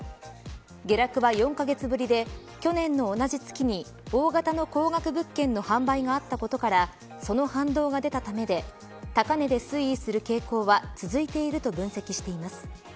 下落は４カ月ぶりで去年の同じ月に大型の高額物件の販売があったことからその反動が出たためで高値で推移する傾向は続いていると分析しています。